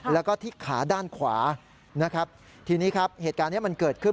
แล้วก็ที่ขาด้านขวานะครับทีนี้ครับเหตุการณ์นี้มันเกิดขึ้น